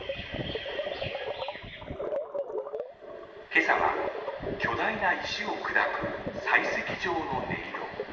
今朝は巨大な石を砕く採石場の音色。